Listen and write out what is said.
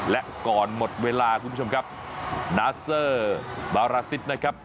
และก่อนหมดเวลาคุณผู้ชมครับนาเซอร์บาราซิสนะครับ